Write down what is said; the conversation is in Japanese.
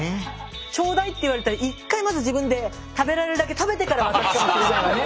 ちょうだいって言われたら一回まず自分で食べられるだけ食べてから渡したりするじゃないね。